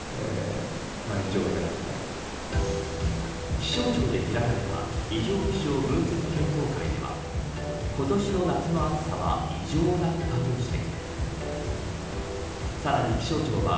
気象庁で開かれた異常気象分析検討会では今年の夏の暑さは異常だったと指摘。